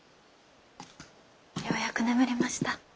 ようやく眠りました。